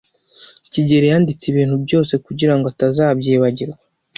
kigeli yanditse ibintu byose kugirango atazabyibagirwa.